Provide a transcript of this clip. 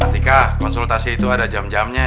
artika konsultasi itu ada jam dua nya